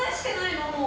もう。